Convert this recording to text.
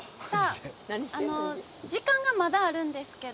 時間がまだあるんですけど。